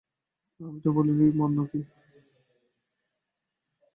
আমি তো বলি মন্দ কী!